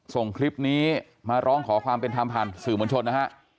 ส่งคลิปนี้มาร้องขอความเป็นธรรมผ่านสื่อมวลชนนะฮะ